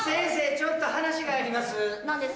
ちょっと話があります。